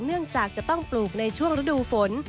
เนื่องจากจะต้องปลูกในช่วงฤดูฝน